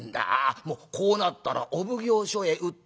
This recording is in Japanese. もうこうなったらお奉行所へ訴えて出ます。